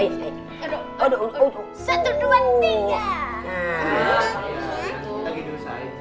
iya kalau bisa diusahakan seperti itu